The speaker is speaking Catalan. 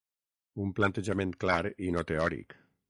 Un plantejament clar i no teòric.